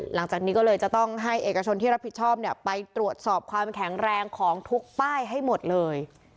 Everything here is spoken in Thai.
หลังจากนี้ก็เลยจะต้องให้เอกชนที่รับผิดชอบไปตรวจสอบความแข็งแรงของทุกป้ายให้หมดเลย